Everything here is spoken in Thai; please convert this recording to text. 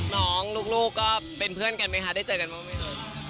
น้องลูกก็เป็นเพื่อนกันไหมคะได้เจอกันมากมาย